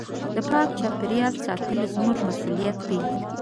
د پاک چاپېریال ساتل زموږ مسؤلیت دی.